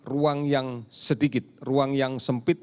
ruang yang sedikit ruang yang sempit